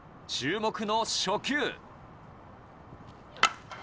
注目の初球。